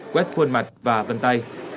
quét khuôn mặt và vân tay